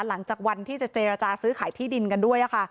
หลังจากวันที่จะเจรจาซื้อขายที่ดินกันด้วย